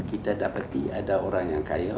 kita dapati ada orang yang kaya